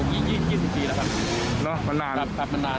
กี่ปีครับมันนาน